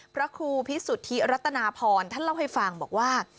พระครูพิสุทธิรัตนาพรท่านเล่าให้ฟังบอกว่า